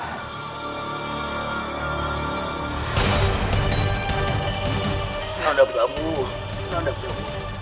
nanda prabu nanda prabu